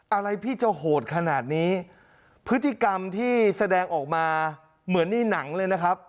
อะไรพี่จะโหดขนาดนี้พฤติกรรมที่แสดงออกมาเหมือนในหนังเลยนะครับ